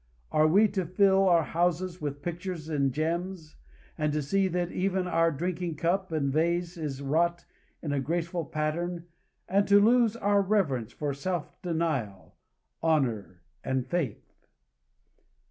Are we to fill our houses with pictures and gems, and to see that even our drinking cup and vase is wrought in graceful pattern, and to lose our reverence for self denial, honor, and faith?